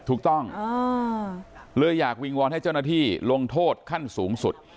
ถูกต้องเลยอยากวิงวอนให้เจ้าหน้าที่ลงโทษขั้นสูงสุด